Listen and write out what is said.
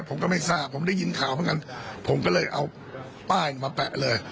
ผมก็ไม่ทราบผมได้ยินข่าวเหมือนกันผมก็เลยเอาป้ายมาแปะเลย